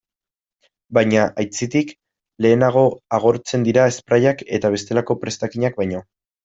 Baina, aitzitik, lehenago agortzen dira sprayak eta bestelako prestakinak baino.